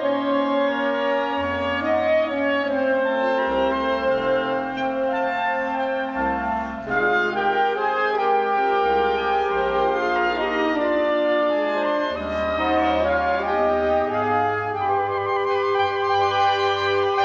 โปรดติดตามต่อไป